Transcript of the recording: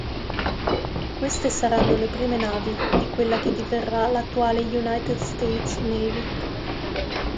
Queste saranno le prime navi di quella che diverrà l'attuale United States Navy.